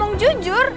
kamu ngomong jujur